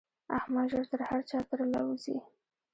احمد ژر تر هر چا تر له وزي.